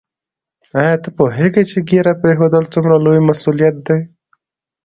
آیا ته پوهېږې چې ږیره پرېښودل څومره لوی مسؤلیت دی؟